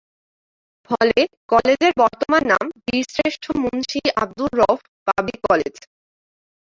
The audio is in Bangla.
ফলে কলেজের বর্তমান নাম বীরশ্রেষ্ঠ মুন্সী আব্দুর রউফ পাবলিক কলেজ।